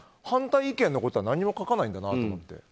反対意見のことは何も書かないんだなと思って。